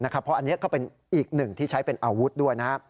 เพราะอันนี้ก็เป็นอีกหนึ่งที่ใช้เป็นอาวุธด้วย